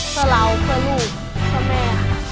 เพื่อเราเพื่อลูกเพื่อแม่ค่ะ